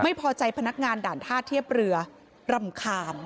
พนักงานด่านท่าเทียบเรือรำคาญ